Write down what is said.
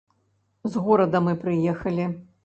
З горада мы прыехалі.